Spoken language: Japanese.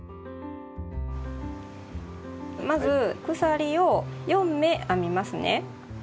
まず鎖を４目編みますね。